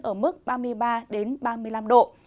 ở mức ba mươi ba ba mươi năm độ